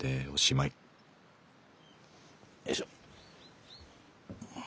よいしょ。